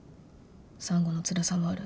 産後のつらさもある。